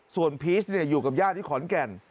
ส่วนพีชอยู่กับญาติที่ขอนแก่น